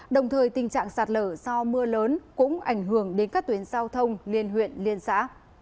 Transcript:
đồng thời tình trạng sạt lở do mưa lớn cũng ảnh hưởng đến các tuyến giao thông liên huyện liên xã